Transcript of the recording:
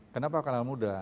kenapa kalangan muda